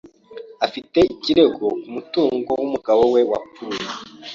Afite ikirego ku mutungo w'umugabo we wapfuye.